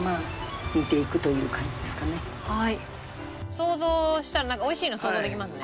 想像したら美味しいの想像できますね。